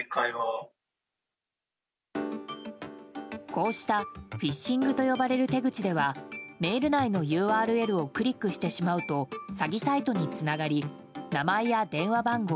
こうしたフィッシングと呼ばれる手口ではメール内のＵＲＬをクリックしてしまうと詐欺サイトにつながり名前や電話番号